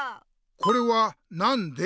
これはなんで？